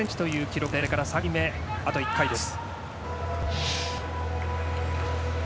これから３回目、あと１回です。